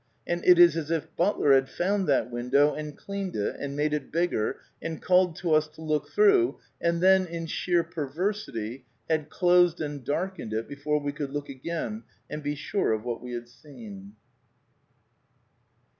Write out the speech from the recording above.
And it is as if Butler had found that window and cleaned it^ and made it bigger, and called to us to look through, and then, in sheer perversity, had closed and darkened it be fore we could look again and be sure of what we had seen.